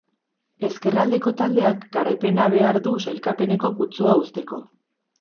Ezkerraldeko taldeak garaipena behar du sailkapeneko putzua uzteko.